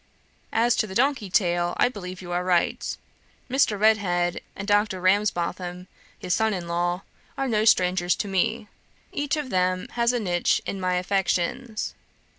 As to the donkey tale, I believe you are right. Mr. Redhead and Dr. Ramsbotham, his son in law, are no strangers to me. Each of them has a niche in my affections.